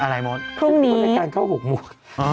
อะไรมดพรุ่งนี้รายการเข้า๖โมง